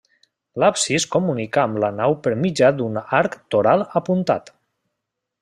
L'absis comunica amb la nau per mitjà d'un arc toral apuntat.